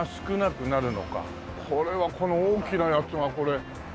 これはこの大きなやつがこれ。